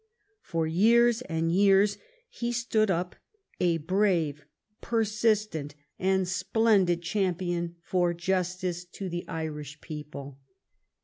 For years and years he stood up a brave, persistent, and splendid cham pion for justice to the Irish people.